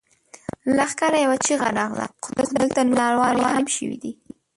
له لښکره يوه چيغه راغله! خو دلته نورې نارواوې هم شوې دي.